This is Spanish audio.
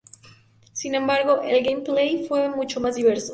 Sin embargo, el gameplay fue mucho más diverso.